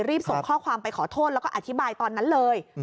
ส่งข้อความไปขอโทษแล้วก็อธิบายตอนนั้นเลย